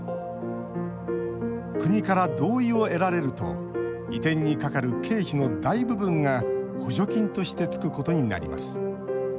国から同意を得られると移転にかかる経費の大部分が補助金としてつくことになります。